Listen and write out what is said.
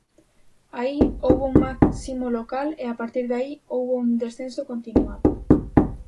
Aí houbo un máximo local e a partir de aí houbo un descenso continuado.